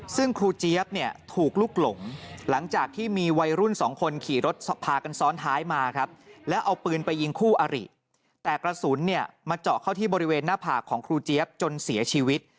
ซึ่งครูเจี๊ยบเนี่ยถูกลุกหลงหลังจากที่มีวัยรุ่นสองคนขี่รถพากันซ้อนท้ายมาครับแล้วเอาปืนไปยิงคู่อาริแต่กระสุนเนี่ยมาเจาะเข้าที่บริเวณหน้าผากของครูเจี๊ยบจนเสียชีวิต